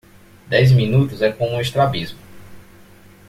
Dez minutos é como um estrabismo